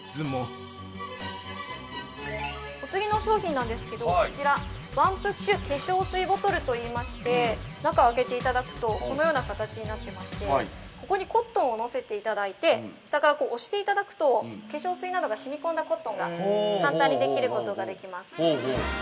◆お次の商品なんですけどこちらワンプッシュ化粧水ボトルと言いまして中を開けていただくとこのような形になっていまして、ここにコットンをのせていただいて下から押していただくと化粧水などがしみ込んだコットンが簡単に作ることができます。